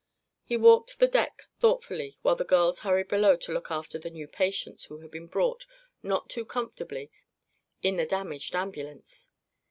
He walked the deck thoughtfully while the girls hurried below to look after the new patients who had been brought, not too comfortably, in the damaged ambulance.